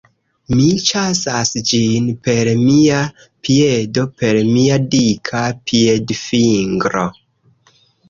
Mi ĉasas ĝin per mia piedo per mia dika piedfingro...